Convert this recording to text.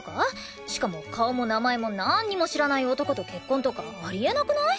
しかも顔も名前もなーんにも知らない男と結婚とかあり得なくない？